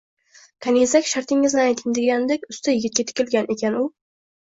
Kanizak “Shartingizni ayting”, degandek usta yigitga tikilgan ekan, u: